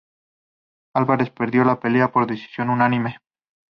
Alvarez perdió la pelea por decisión unánime.